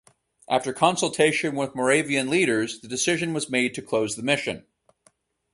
After consultation with Moravian leaders, the decision was made to close the mission.